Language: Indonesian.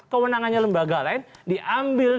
kemenangannya lembaga lain diambil